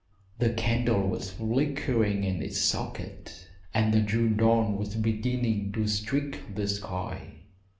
The candle was flickering in its socket, and the June dawn was beginning to streak the sky.